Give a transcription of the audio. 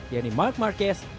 yaitu mark marquez